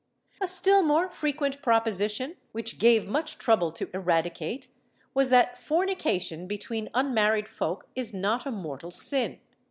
A still more frequent proposition, which gave much trouble to eradicate, was that fornication between unmarried folk is not a mortal sin.